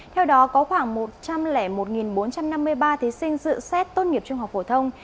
theo đó có khoảng một trăm linh một bốn trăm năm mươi ba thí sinh dự xét tốt nghiệp trung học phổ thông